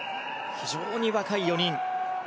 非常に若い４人。